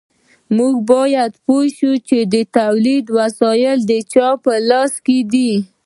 موږ باید پوه شو چې د تولید وسایل د چا په لاس کې دي.